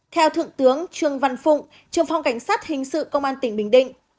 theo thượng tướng trương văn phụng trường phòng cảnh sát hình sự công an tỉnh bình định